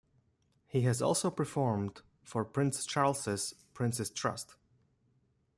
He has also performed for "Prince Charles' Prince's Trust".